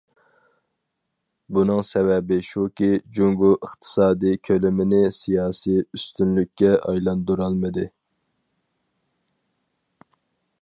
بۇنىڭ سەۋەبى شۇكى، جۇڭگو ئىقتىسادىي كۆلىمىنى سىياسىي ئۈستۈنلۈككە ئايلاندۇرالمىدى.